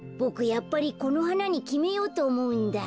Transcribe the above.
やっぱりこのはなにきめようとおもうんだ。